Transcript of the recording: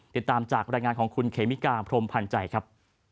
ติดตามจากรายงานของคุณเขมิกาพรมพันธ์ใจครับ